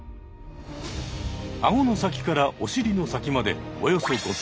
アゴの先からおしりの先までおよそ５ｃｍ。